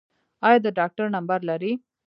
ایا د ډاکټر نمبر لرئ؟